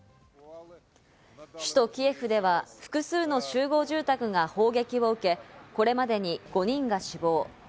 首都キエフでは複数の集合住宅が砲撃を受け、これまでに５人が死亡。